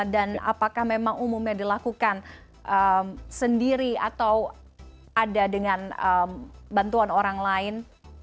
dan apakah memang umumnya dilakukan sendiri atau ada dengan bantuan orang lain